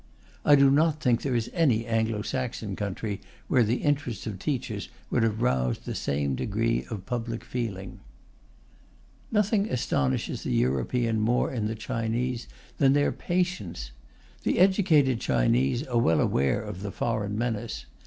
I do not think there is any Anglo Saxon country where the interests of teachers would have roused the same degree of public feeling. Nothing astonishes a European more in the Chinese than their patience. The educated Chinese are well aware of the foreign menace.